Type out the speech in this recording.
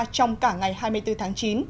trong cả ngày hai mươi bốn tháng chín